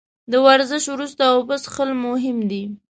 د ورزش وروسته اوبه څښل مهم دي